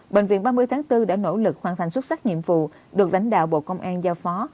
bệnh viện ba mươi tháng bốn đã nỗ lực hoàn thành xuất sắc nhiệm vụ được lãnh đạo bộ công an giao phó